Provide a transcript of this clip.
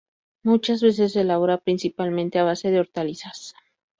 Muchas veces se elabora principalmente a base de hortalizas.